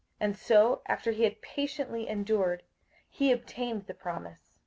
58:006:015 And so, after he had patiently endured, he obtained the promise.